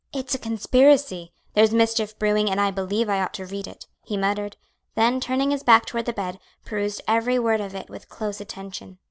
"It's a conspiracy; there's mischief brewing, and I believe I ought to read it," he muttered; then, turning his back toward the bed, perused every word of it with close attention.